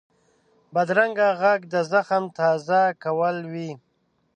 بدرنګه غږ د زخم تازه کول وي